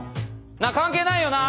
なぁ関係ないよな